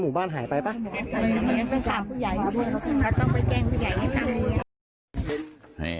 หมู่บ้านหายไปป่ะต้องไปแกล้งผู้ใหญ่ด้วยต้องไปแกล้งผู้ใหญ่ด้วย